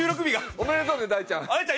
おめでとうね大ちゃん。